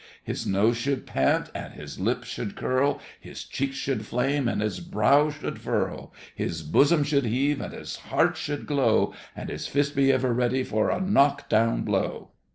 His nose should pant and his lip should curl, His cheeks should flame and his brow should furl, His bosom should heave and his heart should glow, And his fist be ever ready for a knock down blow.